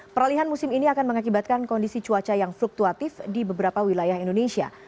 peralihan musim ini akan mengakibatkan kondisi cuaca yang fluktuatif di beberapa wilayah indonesia